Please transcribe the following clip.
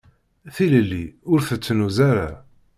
Tilelli ur tettnuz ara.